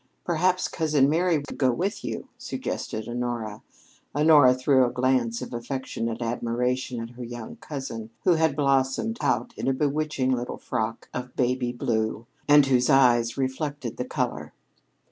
"Perhaps Cousin Mary could go with you," suggested Honora. Honora threw a glance of affectionate admiration at her young cousin, who had blossomed out in a bewitching little frock of baby blue, and whose eyes reflected the color.